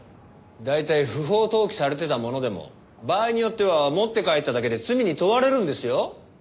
大体不法投棄されてたものでも場合によっては持って帰っただけで罪に問われるんですよ。